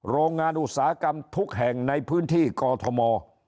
โรงงานอุตสาหกรรมทุกแห่งในพื้นที่กอทม